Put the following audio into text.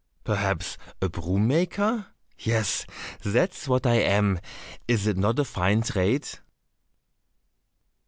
"Perhaps a broom maker?" "Yes, that's what I am, is it not a fine trade?"